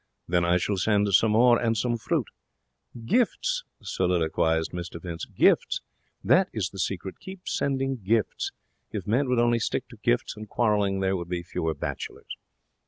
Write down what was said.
'Then I shall send some more, and some fruit. Gifts!' soliloquized Mr Vince. 'Gifts! That is the secret. Keep sending gifts. If men would only stick to gifts and quarrelling, there would be fewer bachelors.'